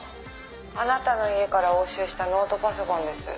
「あなたの家から押収したノートパソコンです」